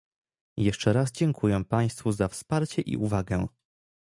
Jeszcze raz dziękuję państwu za wsparcie i uwagę